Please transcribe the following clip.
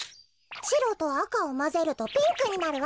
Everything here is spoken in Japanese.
しろとあかをまぜるとピンクになるわ。